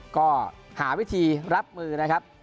ก็หาวิธีรับมือ